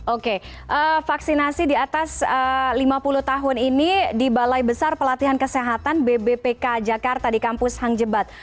oke vaksinasi di atas lima puluh tahun ini di balai besar pelatihan kesehatan bbpk jakarta di kampus hang jebat